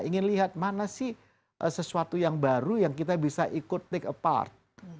ingin lihat mana sih sesuatu yang baru yang kita bisa ikut take apart